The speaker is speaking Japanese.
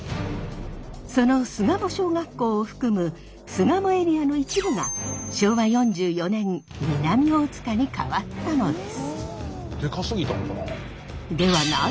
その巣鴨小学校を含む巣鴨エリアの一部が昭和４４年南大塚に変わったのです。